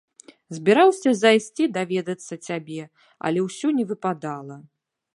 Збіраўся зайсці даведацца цябе, але ўсё не выпадала.